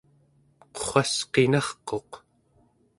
qurrasqinarquq